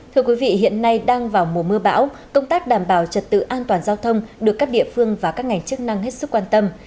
thưa quý vị hiện nay đang vào mùa mưa bão công tác đảm bảo trật tự an toàn giao thông được các địa phương và các ngành chức năng hết sức quan tâm